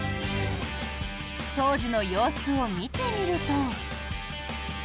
当時の様子を見てみると。